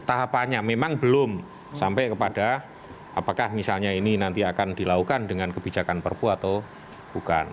tahapannya memang belum sampai kepada apakah misalnya ini nanti akan dilakukan dengan kebijakan perpu atau bukan